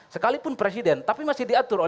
sekalipun presiden tapi masih diatur